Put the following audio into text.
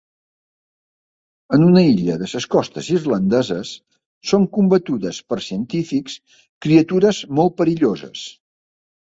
En una illa de les costes irlandeses, són combatudes per científics criatures molt perilloses.